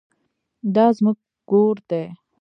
دا زموږ ګور دی